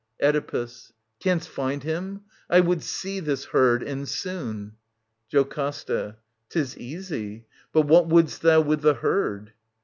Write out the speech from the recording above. Oedipus. Canst find him ? I would see this herd, and soon. JOCASTA. 'Tis easy. But what wouldst thou with the herd